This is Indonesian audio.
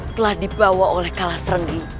telah dibawa oleh kalas renggi